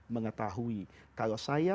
mengetahui kalau saya